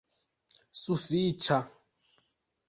sufiĉa